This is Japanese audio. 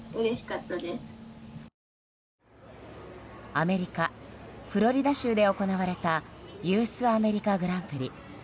アメリカ・フロリダ州で行われたユース・アメリカ・グランプリ。